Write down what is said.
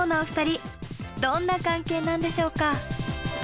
どんな関係なんでしょうか？